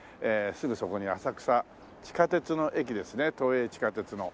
すぐそこに浅草地下鉄の駅ですね都営地下鉄の。